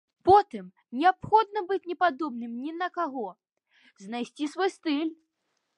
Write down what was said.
Потым неабходна быць не падобным ні на каго, знайсці свой стыль.